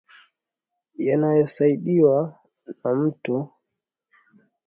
yanayosaidiwa na Mto Tarangire unaokatiza katikati ya hifadhi